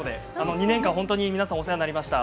２年間お世話になりました。